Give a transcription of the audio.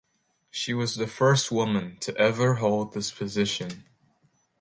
She was the first woman to ever hold this position.